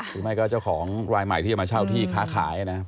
หรือไม่ก็เจ้าของรายใหม่ที่จะมาเช่าที่ค้าขายนะครับ